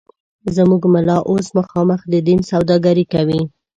زموږ ملا اوس مخامخ د دین سوداگري کوي